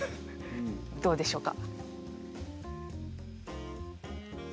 どうでしょうか？